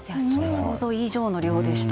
想像以上の量でした。